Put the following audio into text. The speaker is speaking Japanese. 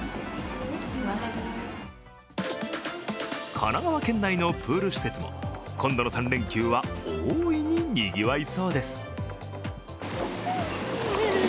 神奈川県内のプール施設も今度の３連休は大いににぎわいそうです。